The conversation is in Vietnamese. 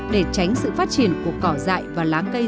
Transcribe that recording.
để tránh sự phát triển của cỏ dại và lá cây